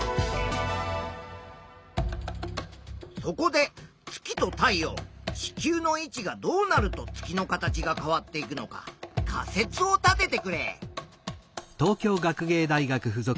そこで月と太陽地球の位置がどうなると月の形が変わっていくのか仮説を立ててくれ。